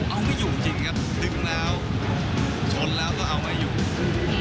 เอาไม่อยู่จริงจริงครับดึงแล้วชนแล้วก็เอาไม่อยู่